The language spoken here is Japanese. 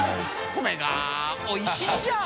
米がぁおいしいんじゃあ！」